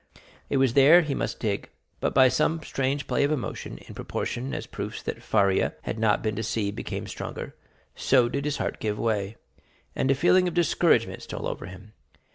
It was there he must dig. But by some strange play of emotion, in proportion as the proofs that Faria, had not been deceived became stronger, so did his heart give way, and a feeling of discouragement stole over him.